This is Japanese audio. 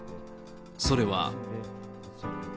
それは。